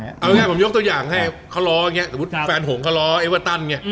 เอาง่ายผมยกตัวอย่างให้เขาล้ออย่างนี้สมมุติแฟนหงเขาล้อเอเวอร์ตันไง